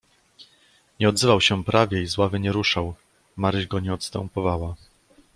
"Nie odzywał się prawie i z ławy nie ruszał, Maryś go nie odstępowała."